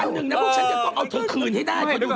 วันหนึ่งนะพวกมันน่าก็เอาทุกคืนให้ได้